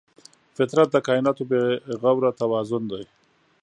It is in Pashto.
فطرت د کایناتو بېغوره توازن دی.